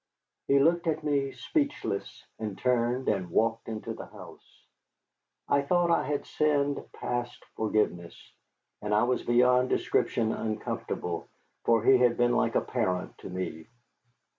He looked at me speechless, and turned and walked into the house. I thought I had sinned past forgiveness, and I was beyond description uncomfortable, for he had been like a parent to me.